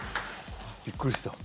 びっくりした。